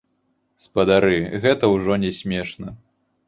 Спадары, гэта ўжо не смешна.